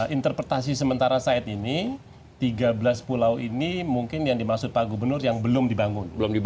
interpretasi sementara saat ini tiga belas pulau ini mungkin yang dimaksud pak gubernur yang belum dibangun